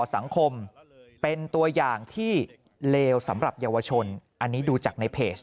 สังคมเป็นตัวอย่างที่เลวสำหรับเยาวชนอันนี้ดูจากในเพจ